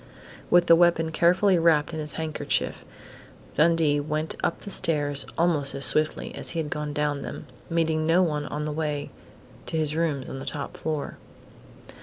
With the weapon carefully wrapped in his handkerchief, Dundee went up the stairs almost as swiftly as he had gone down them, meeting no one on the way to his rooms on the top floor.